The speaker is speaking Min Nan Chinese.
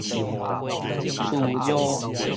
澍尿